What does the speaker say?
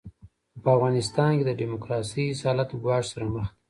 خو په افغانستان کې د ډیموکراسۍ اصالت ګواښ سره مخ دی.